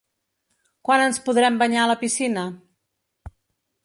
Quan ens podrem banyar a la piscina?